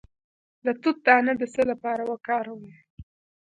د توت دانه د څه لپاره وکاروم؟